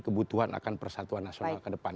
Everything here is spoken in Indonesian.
kebutuhan akan persatuan nasional kedepan